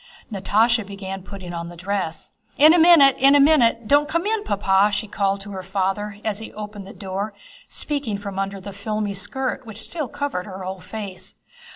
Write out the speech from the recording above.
Natásha began putting on the dress. "In a minute! In a minute! Don't come in, Papa!" she cried to her father as he opened the door—speaking from under the filmy skirt which still covered her whole face.